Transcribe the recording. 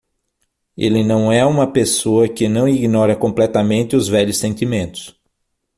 Ele não é uma pessoa que não ignora completamente os velhos sentimentos.